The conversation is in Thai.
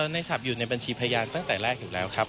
ศัพท์อยู่ในบัญชีพยานตั้งแต่แรกอยู่แล้วครับ